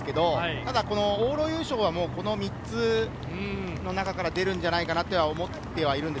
ただ往路優勝はこの３つの中から出るんじゃないかなと思っているんです。